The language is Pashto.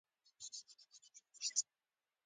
تقدیر د مینې برخلیک له اشرف خان سره تړلی و